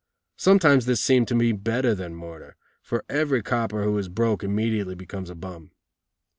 Sometimes this seemed to me better than murder; for every copper who is "broke" immediately becomes a bum.